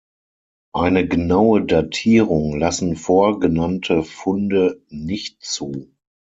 Eine genaue Datierung lassen vorgenannte Funde nicht zu.